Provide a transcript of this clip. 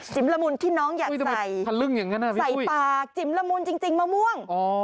จิ๋มละมุนที่น้องอยากใส่สายปากจิ๋มละมุนจริงจริงมะม่วง